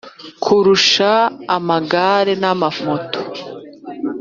Nkurusha amagare nama moto